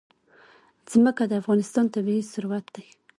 ځمکه د افغانستان طبعي ثروت دی.